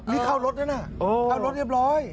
นี่เข้ารถแล้วน่ะ